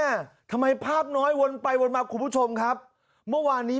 ทำไมภาพน้อยวนไปวนมาคุณผู้ชมครับเมื่อวานนี้